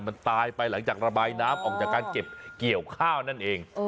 มันตายไปหลังจากระบายน้ำออกจากการเก็บเกี่ยวข้าวนั่นเอง